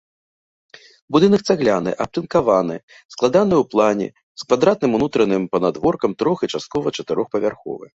Будынак цагляны, абтынкаваны, складаны ў плане, з квадратным унутраным панадворкам, трох-, а часткова чатырохпавярховы.